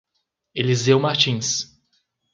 Eliseu Martins